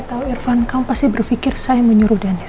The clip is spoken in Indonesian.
saya tahu irwan kamu pasti berpikir saya menyuruh dennis